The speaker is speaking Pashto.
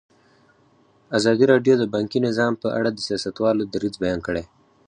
ازادي راډیو د بانکي نظام په اړه د سیاستوالو دریځ بیان کړی.